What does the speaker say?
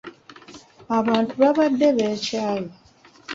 Abantu baabadde beekyaye.